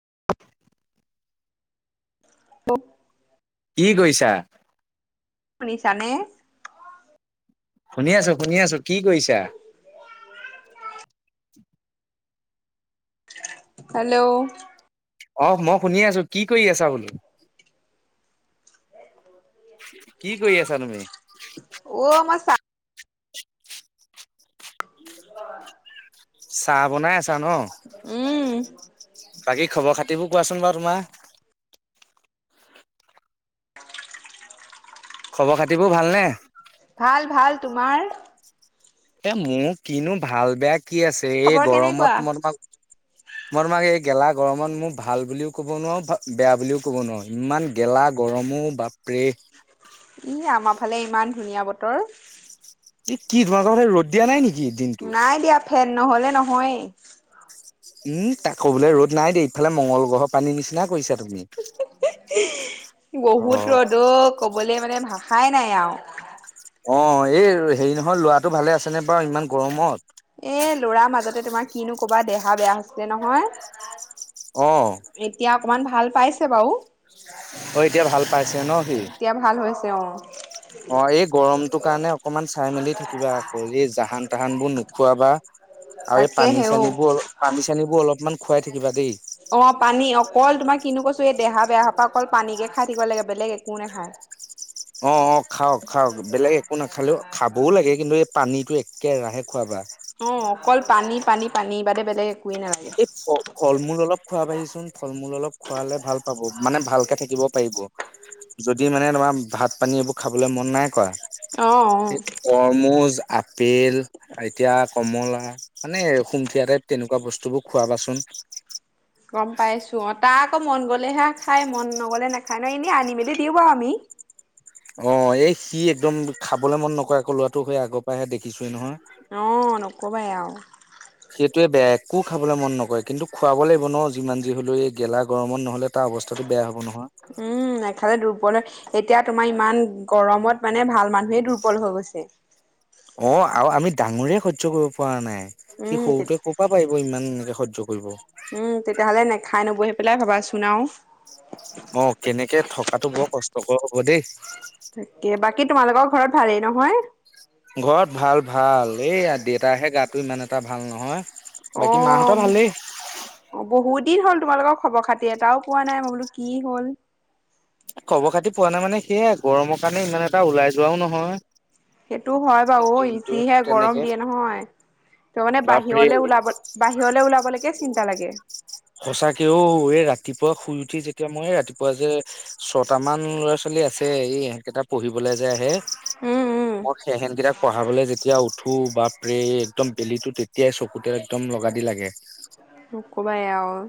[unintelligible] [unintelligible] কি কৈছা। শুনিছ নে। শুনি আছো শুনি আছো কি কৰিছা। হেল্ল'। অ, মই শুনি আছো। কি কৰি আছা বোলো? কি কৰি আছা তুমি? ও মই চাহ [unintelligible] চাহ বনাই আছা ন? উম। বাকী খবৰ খাত [unintelligible] কোৱাচোন বাৰু তোমাৰ? খবৰ খাতিবোৰ ভালনে? ভাল ভাল তোমাৰ? এ মোৰ কিনো ভাল-বেয়া? কি আছে এই খবৰ কেনেকুৱা? গৰমত ম তোমাক ম তোমাক এই গেলা গৰমত মোৰ ভাল বুলিও ক'ব নোৱাৰোঁ, বেয়া বুলিও ক'ব নোৱাৰোঁ। ইমান গেলা গৰম অ বাপ ই আমাৰ ফালে ইমান ধুনীয়া বতৰ। এই কি তোমালোকৰ ফালে ৰ'দ দিয়া নাই নেকি দিনটো? ফেম নহলে নহয়য়ে। উম, আকৌ বোলে ৰ'দ নাই দেই। ইফালে মংগলগ্ৰহৰ পানী নিচিনা কৰিছে। বহুত ৰ'দ অ কবলে মানে ভাষাই নাই আও। অ, এই হেৰি নহয় লোৱা এ লৰা মাজতে তোমাৰ কিনো ক'বা দেহা বেয়া হৈছিলে নহয়। অ এতিয়া অকমান ভাল পাইছ ছে বাও। অ, এতিয়া ভাল পাইছে ন সি? তেওঁ। অ, এই গৰমটো কাৰণে অকমান চাই মেলি থাকিবা আকৌ। এই জাহান তাহান বোৰ নোখোৱাবা। আৰু এই তাকে হেও পানী-চানী বোৰ অলপ পানী-চানী বোৰ অলপমান খুৱাই থাকিবা দেই। অঁ পানী অকল তোমাৰ কিনো কৈছো এই দেহা বেয়া পৰা অকল পানীকে খাই থাকিব লাগে বেলেগ একো নেখায়। অঁ অঁ খাওক খাওক বেলেগ একো নাখালেও খাবও লাগে কিন্তু এই পানীতো- একে ৰাহে খুৱাবা। অঁ অকল পানী, পানী, পানী বাদে বেলেগ। একোৱেই নালাগে এই ফল-মূল অলপ খোৱাবাহিচোন। ফল-মূল অলপ খোৱালে ভাল পাব মানে ভালকে থাকিব পাৰিব। যদি মানে তোমাৰ ভাত-পানী এইবোৰ খাবলৈ মন নাই কয় অ অ তৰমুজ আপেল, এতিয়া কমলা মানে সুমথিয়া টাইপ তেনেকুৱা বস্তুবোৰ খোৱাবাচোন। গম পাইছো অ। তাৰ আকৌ মন গ'লেহে খাই, মন নগলে নাখায় নহয়। এনেই আনি মেলি দিওঁ বাৰু আমি। অ, এই সি একদম খাবলে মন নকৰে। আকৌ ল'ৰাটো সেই আগৰ পৰাহে দেখিছোৱে নহয়। অ নকবাই আৰু সেইটোৱে বেয়া একো খাবলৈ মন নকৰে। কিন্তু খুৱাব লাগিব ন' যিমান যি হ'লেও এই গেলা গৰমত নহ'লে তাৰ অৱস্থাটো বেয়া হ'ব নহয়। উম, নেখালে দুৰ্বল হয়। এতিয়া তোমাৰ ইমান গৰমত মানে ভাল মানুহে দুৰ্বল হৈ গৈছে। অ, আৰু আমি ডাঙৰে সহ্য কৰিব পৰা নাই। সি উম সৰুটোৱে ক'ৰ পৰা পাৰিব ইমান সহ্য কৰিব। উম, তেতিয়া হ'লে নেখাই নবই পেলাই ভাবাচোন আৰু। অ, কেনেকে থকাটো বৰ কষ্টকৰ হ'ব দেই। তাকে। বাকী তোমালোকৰ ঘৰত ভালেই নহয়? ঘৰত ভাল, ভাল। এই দেতাহে গাটো ইমান এটা ভাল নহয়। অ, বাকী মাহঁতৰ ভালেই। বহুত দিন হ'ল তোমালোকৰ খবৰ-খাতি এটাও পোৱা নাই মই। বোলো কি হ'ল? এ' গৰমৰ কাৰণে ইমান এটা ওলাই যোৱাও নহয়। সেইটো হয় বাৰু ই দিনটোত যিহে গৰম তেনেকে দিয়ে নহয়। ত' মানে বাপৰে বাহিৰলৈ ওলাব বাহিৰলৈ ওলাব লৈকে চিন্তা লাগে। সঁচাকে ঔ এই ৰাতিপুৱা শুই উঠি যেতিয়া মই ৰাতিপুৱা যে ছটা মান ল'ৰা- ছোৱলী আছে এই সেইকেইটা পঢ়িবলৈ যে আহে- উম উম মই সেইহেন কেইটাক পঢ়াবলৈ যেতিয়া উঠো বাঃ বে একদম বেলিতো তেতিয়াই চকুত- একদম লগা দি লাগে। ওপাই আৰু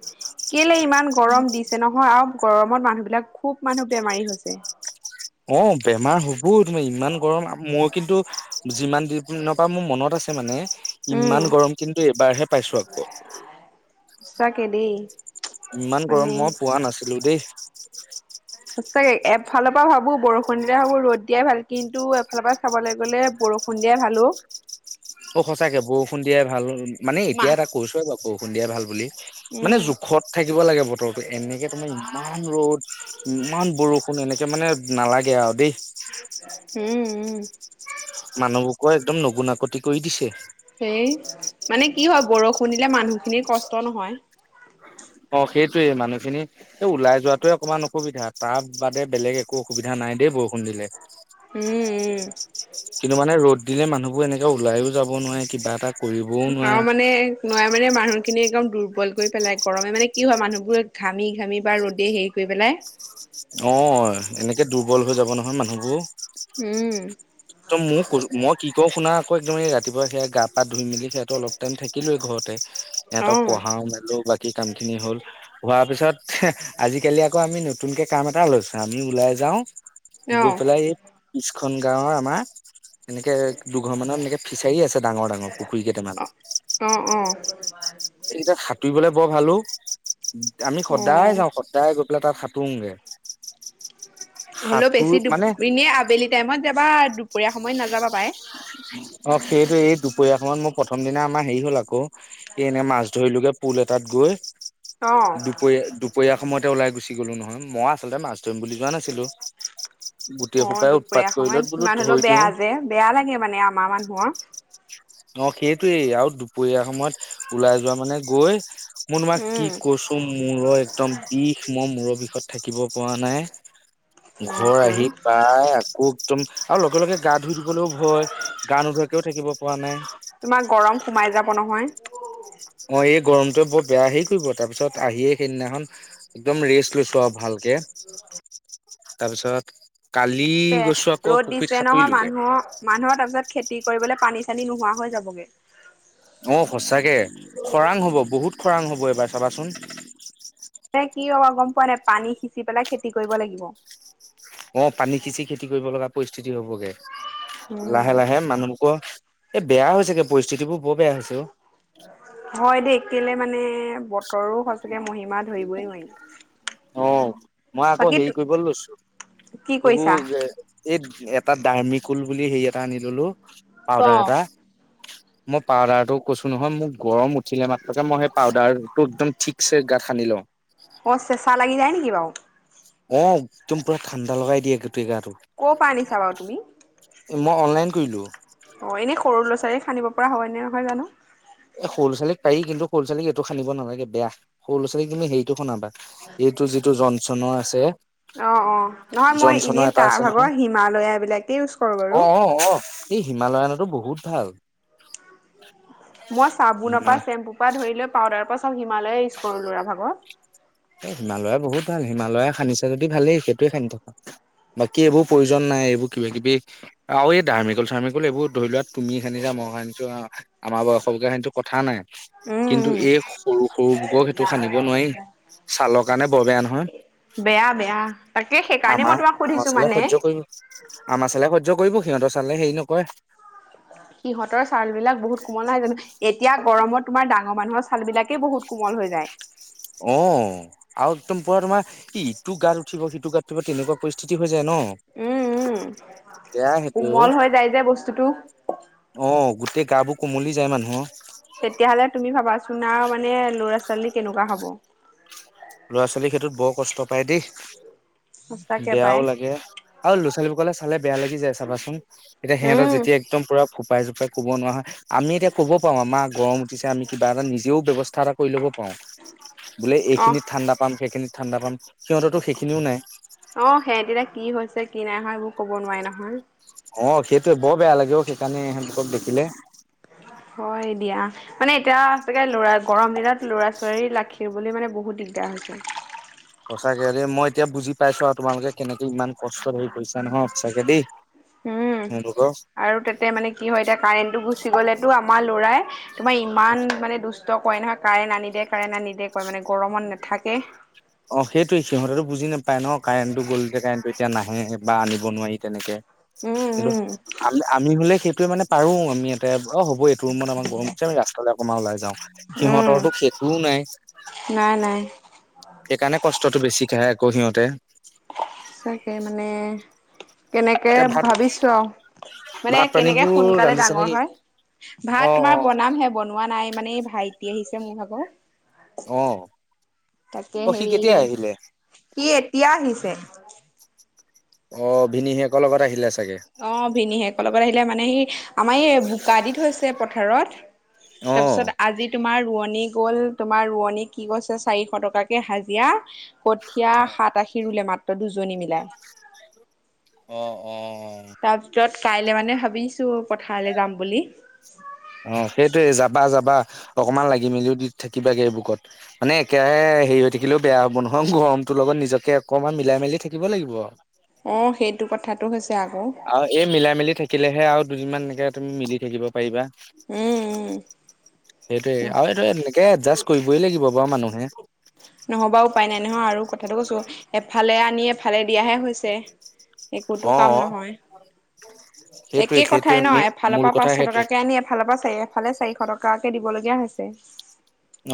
কেলে ইমান গৰম দিছে নহয় আৰু গৰমত মানুহ বিলাক- খুব মানুহ বেমাৰী হৈছে। অঁ বেমাৰ হবও তুমি ইমান গৰম। মই কিন্তু যিমান দিন- তো মোৰ মনত আছে মানে- উম ইমান গৰম কিন্তু এইবাৰ'হে পাইছো আকৌ। সঁচাকে দেই ইমান গৰম মানে মই পোৱা নাছিলো দেই। সচাকে এফালৰ পৰা ভাবো বৰষুণ দিলে ভাবো ৰ'দ দিয়াই ভাল কিন্তু এফালৰ পৰা চাবলৈ গ'লে- বৰষুণ দিয়াই ভালো অ। অ সচাকে বৰষুণ দিয়াই ভাল। মানে এতিয়া মাহ এটা কৈছোৱেই বাৰু বৰষুণ দিয়াই ভাল বুলি মানে উম জোখত থাকিব লাগে বতৰটো এনেকে তোমাৰ- ইমান ৰ'দ ইমান বৰষুণ এনেকে মানে' নালাগে আৰু দেই উম উম মানুহবোৰ কো একদম নগুনাকতি- কৈ দিছে। সেই মানে কি হয় বৰষুণ দিলে মানুহখিনিৰ কষ্ট নহয়। অঁ সেইটোৱেই মানুহখিনি এই ওলাই যোৱা তোৱে অকণমান অসুবিধা তাৰ বাদে বেলেগ একো অসুবিধা নাই। নাই দেই বৰষুণ দিলে। উম উম। [unintelligible] কিন্তু মানে ৰ'দ দিলে মানুহবোৰ এনেকে ওলাইও যাব নোৱাৰে কিবা এটা কৰিবও নোৱাৰে। নোৱাৰে মানে মানুহ- খিনি একদম দুৰ্বল কৰি পেলাই গৰমে মানে কি হয় মানুহবোৰ ঘামি ঘামি বা ৰ'দে হেৰি কৰি পেলাই। অ এনেকে দুৰ্বল হৈ যাব। নহয় মানুহবোৰ উম ত মোক ক মই কি কওঁ শুনা আক- আক একদম ৰাতিপুৱা সেয়া গা পা ধুই মেলি সেয়াতো অলপ টাইম থাকিলোৱেই ঘৰতে- সিহঁতক অঁ পঢ়াও মেলো বাকী। কি কাম খিনি হ'ল হোৱাৰ পিছত আজিকালি আকৌ আমি ন নতুনকে কাম এটা লৈছে আমি ওলাই যাও গৈ পেলাই অঁ স্কু খন গাঁৱৰ আমাৰ এনেকে দুঘৰ মানত এনেকে ফিচাৰী আছে ডাঙৰ ডাঙৰ পুখুৰী কেইটামান অঁ অঁ সেইকেইটাত সাঁতুৰিবলৈ বৰ ভাল অ আমি সদায় অঁ যাওঁ সদায় গৈ পেলাই তাত হাতুঙগে হ'লেও বেছি দুপ এনেই আবেলি টাইমত যাবা দুপৰীয়া সময়ত নাযাবা পাই অ ফীৰ দুপৰীয়াখনত মোৰ প্ৰথম দিনা আমাৰ হেৰি হ'ল আকৌ এ এনে মাছ ধৰিলোগে পুল এটাত গৈ অঁ দুপৰীয়া দুপৰীয়া সময়তে ওলাই গুচি গ'লো নহয় মই আচলতে মাছ ধৰিম বুলি যোৱা নাছিলো গোটেই অ সোপাই উৎপাত দুপৰীয়া কৰিলত সময়ত বোলো ইমান হ'লেও ধৰি দিওঁ বেয়া যে বেয়া লাগে মানে আমাৰ মানুহৰ অ সেইটোৱেই আৰু দুপৰীয়া সময়ত ওলাই যোৱা মানে গৈ মই তোমাক কি উম কৈছো মূৰৰ একদম বিষ মই মূৰৰ বিষত থাকিব পৰা নাই অঁ ঘৰ তোন আহি পাই আকৌ একদম আৰু লগে লগে গা ধুই দিবলৈও ভয় গা নোধোৱে এনেকেও থাকিব পৰা নাই। তোমাৰ গৰম সোমাই যাব নহয়। অ এই গৰমটোৱে বৰ বেয়া হেৰি কৰিব তাৰ পিছত আহিয়ে সেইদিনাখন একদম ৰেষ্ট লৈছো আৰু ভাল জে তাৰপিছত- কালি এ গৈছো আকৌ ৰ'দ পুখুৰীত দিছে নহয় সাঁতুৰিলোগে মানুহ মানুহৰ তাৰ পিছত খেতি কৰিবলৈ পানী- খেলি নোহোৱা হৈ যাবগে- অ সচাকে খৰাং হ'ব বহুত খৰাং হ'ব এইবাৰ চাবাচোন- মানে কি হ'ব গম পোৱা নাই পানী সিঁচি পেলাই খেতি কৰিব লাগিব। অ পানী খিচি খেতি কৰিব লগা পৰিস্থিতি হবগে উম, লাহে লাহে মানুহহোকৰ- এ বেয়া হৈছেগে পৰিস্থিতিবোৰ বৰ বেয়া হৈছে। অ হয় দেই কেলে মানে বতৰো সঁচাকে মহিমা ধৰিবই নোৱাৰি। অ মই আকৌ বাকী হেৰি কৰিবলৈ লৈছো। কি কৰিছা? এইবোৰ এই এটা দাৰ্মিকুল বুলি হেৰি আছে। এটা আনি ললো পাউদাৰ অ'। এটা- মই পাউদাৰ টো কৈছো নহয় মোৰ গৰম উঠিলে মাত্ৰকে মই সেই পাউদাৰ, ঘ টো একদম ঠিকছে গাতত সানি লওঁ অ চেচা লাগি যায় নেকি বাওঁ অ একদম পুৰা ঠাণ্ডা লগাই দিয়ে। গোটেই গাটো ক' পা আনিছা বাৰু তুমি? মই অনলাইন কৰিলোঁ ডাইৰেক্ট সানিব পৰা হয়নে নহয় জানো? এই স'ৰু লৰাোৱালীক পাৰি কিন্তু সৰু ছোৱালীক এইটো সানিব নালাগে বেয়া। সৰু লৰা- ছোৱালীক তুমি সেইটো সনাবা। যিটো যিটো জনচনৰ আছে। অ অ নহয় মই জনচনৰ এনে এটা তাৰ আছে নহয় ভাগৰ হিমালয়া বিলাকে ইউজ কৰো অ বাৰু- অ অ এই হিমালয়নাটো বহুত ভাল- মই চাবোনৰ না পৰা চেম্পু পৰা ধৰি লৈ পাউদাৰৰ পৰা চ হিমালয়ে ইউজ কৰো লৰা ভাগৰ এ হিমালয়ে বহুত ভাল হিমালয়ে সানিছে যদি ভালেই সেইটোৱে সানি থাকা। বাকী এইবোৰ প্ৰয়োজন নাই এইবোৰ কিবা কিবি আৰু এই ধাৰ্মিকল চাৰ্মিকল এইবোৰ ধৰি লোৱা তুমি সানিলা মই- ম সানচো আমাৰ বয়স লৈকে সনসো কথা নাই। উম, কিন্তু উম, এই সৰু, সৰু বোকক সেইটো সানিব নোৱাৰি ছালৰ কাৰণে বৰ বেয়া নহয়। বেয়া বেয়া তাকে সেইকাৰণে মই আমাৰ তোমাক আমাৰ সুধিছো চালে মানে। সহ্য কৰিব আমাৰ চালে সহ্য কৰিব সিহঁতৰ চালে হেৰি নকৰে। সিহঁতৰ ছাললাক বহুত কোমল ন হয় জানো এতিয়া গৰমত তোমাৰ ডাঙৰ মানুহৰ ছাল বিলাকেই বহুত কোমল হৈ যায়। [unintelligible] অ আৰু একদম পৰা তোমাৰ ইটো গাত উঠিব সিটো গাত উঠিব তেনেকুৱা পৰিস্থিতি হৈ যায়। যে উম উম ন। বেয়া সেইটো কোমল হৈ যায় যে বস্তুটো অ গোটেই গা বোৰ- কুমলি যায় মানুহৰ- তেতিয়াহলে তুমি ভাবাচোন আৰু মানে লৰা ছোৱালী কেনেকুৱা হব- ল'ৰা ছোৱালীৰ সেইটোত বৰ কষ্ট পায় দেই সঁচাকে বেয়াও পাই লাগে আৰু লৰা ছোৱালীবোৰ কলে চালে বেয়া লাগি যায় চাবাচোন এতিয়া সিহঁতৰ উম যেতিয়া একদম পুৰা ফোপাই জোপাই- কব নোৱাৰা হয় আমি এতিয়া কব পাৰো আমাৰ গৰম উঠিছে আমি কিবা এটা নিজেও ব্যয়ৱস্থা এটা কৰি ল'ব পাৰো। বোলে অ এইখিনিত- ঠাণ্ডা পাম সেইখিনিত ঠাণ্ডা পাম সিহঁতো সেইখিনিও নাই। অ সেহেতি এতিয়া কি হৈছে কি নাই হয় মোৰ ক'ব নোৱাৰে নহয়। অ সেইটোৱে বৰ বেয়া লাগে সেইকাৰণে এহেতবোৰক দেখিলে- হয় দিয়া মানে এতিয়া লৰা গৰম দিনত লৰা ছোৱালী ৰাখিবলে বহুত দিগ- দিগদাৰ হৈছে। সচাঁকে দেই মই এতিয়া বুজি পাইছো আৰু তোমালোকে কেনেকে ইমান কষ্টৰ হেৰি কৰিছা নহয়। সচাকে দেই- উম তেওঁলোকৰ আৰু তাতে মানে কি হয়। এতিয়া কাৰেণ্টটো গুচি গলেতো আমাৰ লৰাই- তোমাৰ ইমান মানে দুষ্ট কৰে নহয় কাৰেণ্ট আনি দে কাৰেণ্ট আনি দে কয় মানে গৰমত নাথাকে। অ সেইটোৱে সিহঁতেটো বুজি নাপায় ন কাৰেণ্টো গ'ল যে কাৰেণ্টটো এতিয়া নাহে বা আনিব নোৱাৰি তেনেকে। কিন্তু উম আ আমি হলে সেইটোয়ে মানে পাৰো আমি ইয়াতে। অ হ'ব এইটো ৰোমত আমাক গৰম উঠিছে আমি ৰাস্তালে অকণ ওলাই যাওঁ। সিহঁতৰটো সেইটোও নাই। নাই নাই সেইকাৰণে কষ্টটো বেছিক কাহে আকৌ সিহঁতে। তাকে মানে। তেনেকে এতিয়া ভাত ভাবিছো আৰু মানে ভাত কেনেকে পানীবোৰ সোনকালে ৰান্ধিছে ডাঙৰ নেকি? হয় ভাত অ অ তোমাৰ বনাম হে বনোৱা নাই। মানে এই ভাইটি আহিছে মোৰ ভাগৰ। তাকে অ সি হেৰি কেতিয়া আহিলে? সি এতিয়া আহিছে। অ ভিনি সেকৰ লগত আহিলে? চাগে অ ভিনি হেক লগত আহিলে মানে সি আমাৰ এই বোকা দি থৈছে পথাৰত। অ। তাৰ পিছত আজি তোমাৰ ৰোৱনী গ'ল তোমাৰ ৰোৱনী কি কৈছে চাৰিশ টকাকে হাজিৰা। কঠীয়া অ সাত আশী ৰুলে মাত্ৰ দুজনী মিলায়। অ অ অ তাৰ পিছত কাইলে মানে ভাবিছো। পথাৰলৈ যাম বুলি অ সেইটোৱে যাবা যাবা। অকমান লাগি মেলিও দি থাকিবা বুকত মানে একোৰাহে হেৰি হৈ থাকিলেও বেয়া হ'ব নহয় গৰমটো লগত। নিজকে অকমান মিলাই মেলি থাকিব লাগিব। অ সেইটো কথাটো হৈছে। আকৌ আৰু এই মিলাই মেলি থাকিলেহে আৰু দুদিনমান এনেকে তুমি মিলি থাকিব পাৰিবা। উম সেইটোৱে উম আৰু এইটো এনেকে এডজাষ্ট কৰিবই লাগিব বাৰু মানুহে। [unintelligible] নহ'বা উপায় নাই নহয় আৰু কথাটো কৈছো এফালে আনি এফালে দিয়াহে হৈছে। একোতো অ কাম নহয়। সেইটোৱে একে কথাই সেইটোৱে ন মেইন এফালৰ মূল পৰা কথা পাঁচশ সেইটোৱে টকাকে আনি এফালৰ পৰা চাই। ইফালে চাৰিশ টকাকে দিবলগীয়া হৈছে।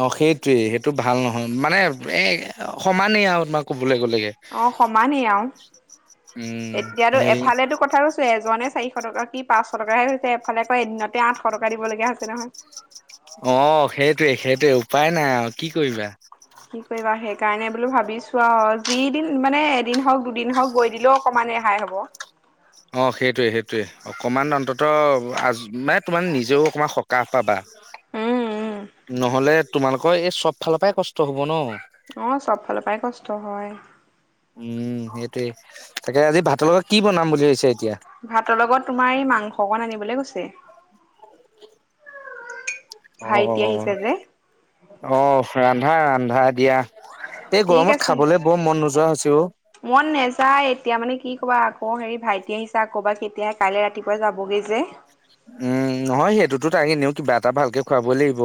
অ সেইটোৱেই সেইটো ভাল নহয়। মানে এ সমানেই আৰু তোমাৰ ক অ সমানেই আৰু উম এতিয়ো হেৰি এফালেতো কথা কৈছো। এজনে চাৰিশ এশ টকা কি পাঁচশ টকাহে হৈছে এফালে আকৌ এদিনতে আঠশ টকা দিব লগগীয়া হৈছে নহয় [unintelligible] অ সেইটোৱে সেইটোৱে উপায় নাই আৰু কি কৰিবা। কি কৰিবা সেইকাৰণে বোলো ভাবিছো আৰু যিদিন মানে এদিন হওঁক দুদিন হওঁক গৈ দিলেও অকদ মানে হাই হ'ব। অ সেইটোৱে সেইটয়ে অকমান অন্ততঃ আ মানে তোমাৰ নিজেও অকমান সকাহ পাবা [unintelligible] [inaudible] নহলে তোমালোকৰ এই চব ফালৰ পৰাই কষ্ট হব ন [unintelligible] অ চব ফালৰ পৰাই কষ্ট হয়। উম সেইটোৱে। তাকে আজি ভাতৰ লগত কি বনাম বুলি ভাবিছে? ভাতৰ লগত তোমাৰ এই মাংস অকণ আনিবলৈ গৈছে। ভাইটি আহিছে যে অ আহ ৰান্ধা ৰান্ধা দিয়া। এই ঠিক গৰমত আছে খাবলৈ বৰ মন নোযোৱা হৈছে অ। মন নেযায় এতিয়া মানে কি কবা আগ অ হেৰি ভাইটি আহিছা আকবা কেতিয়া কাইলৈ ৰাতিপুৱা যাবগৈ যে। উম নহয় সেইটোতো তাগে নিও কিবা এটা ভালকে খুৱাব লাগিব।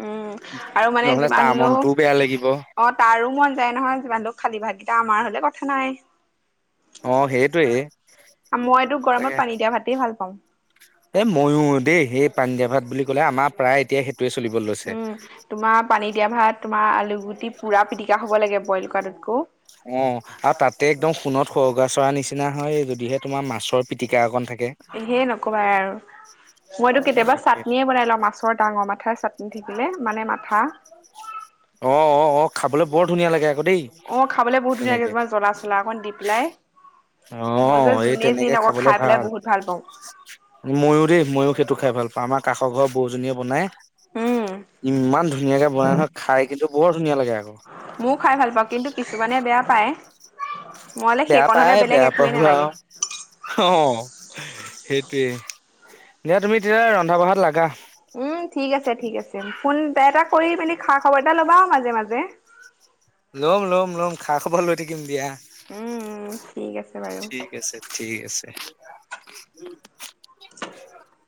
উম আৰু মানে নহ'লে তাৰ যিমান মনটোও বেয়া লোক লাগিব। অ তাৰো মন যায় নহয় যিমান ল খালী ভাগকেইটা আমাৰ হলে কথা নাই। অ সেইটোৱে মই তোক তাকে গৰমত পানী দিয়া ভাতে ভাল পাওঁ। এ ময়ো দেই সেই পানী দিয়া ভাত বুলি ক'লে আমাৰ প্ৰায় এতিয়া। সেইটোৱে চলিব লৈছে। উম তোমাৰ পানী দিয়া। ভাত তোমাৰ আলু গুটি পুৰা পিটিকা হ'ব লাগে বইল কৰাটোতকৌ অ আৰু তাতে একদম সোণত খগা চৰা নিচি। নিচিনা হয় যদিহে তোমাৰ মাছৰ, পিটিকা অকণ থাকে। হে নকবাই আৰু মইতো কেতিয়াবা চাটনিয়ে বনাই লওঁ মাছৰ ডাঙৰ মাথাই চাটনি- থাকিলে মানে মাথা অ অ অ, খাবলৈ বৰ ধুনীয়া লাগে আকৌ দেই অ খাবলৈ বহুত ধুনীয়া লাগে তেনেকে- তোমাৰ জ্বলা চলা অকণ দি পেলাই অ মই যে এই যোনে যি তেনেকে নকওঁ খাবলে খাই পেলাই ভাল- বহুত পাওঁ ময়ো দেই ময়ও সেইটো খাই ভাল পাওঁ। আমাৰ ক কাষৰ ঘৰ বৌজনীয়ে বনাই উম ইমান ধুনীয়াকে বনাই নহয় খাই কিন্তু বৰ - ময়ও খাই ভাল পাওঁ কিন্তু কিছুমানে বেয়া পায় মই হলে বেয়া সেইকণ হলে পায় বেলেগ বেয়া একোৱেই পোভো আৰু নালাগে অ সেইটোৱেই দিয়া তুমি তেতিয়া ৰন্ধা বঢ়াত লগা উম ঠিক আছে ঠিক আছে ফোন এ এটা কৰি পেলি খা খবৰ এটা ল'বা আৰু মাজে মাজে। ল'ম ল'ম ল'ম খা খবৰ লৈ থাকিম দিয়া। উম ঠিক আছে বাৰু ঠিক আছে ঠিক আছে। [inaudible]